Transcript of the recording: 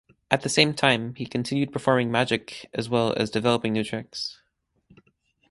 At the same time he continued performing magic as well as developing new tricks.